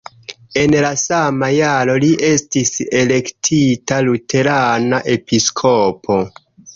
En la sama jaro li estis elektita luterana episkopo.